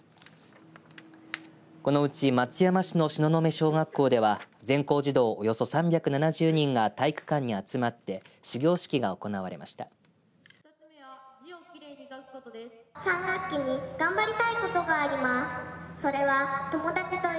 このうち松山市の東雲小学校では全校児童およそ３７０人が体育館に集まって始業式が行われました。